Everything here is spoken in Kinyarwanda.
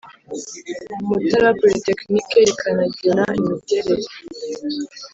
Umutara polytechnic rikanagena imiterere